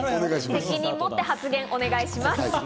責任持って発言をお願いします。